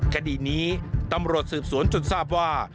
คดีนี้ตำรวจสืบสวนจนทราบว่า